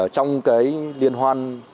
trong cái liên hoan